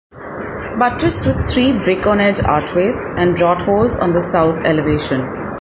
Buttressed with three brick on edge archways and draught holes on the south elevation.